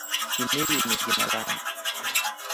Simiyi ni jina langu